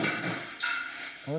あれ？